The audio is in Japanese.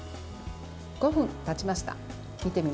５分たちました。